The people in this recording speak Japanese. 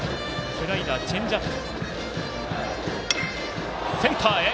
スライダー、チェンジアップ。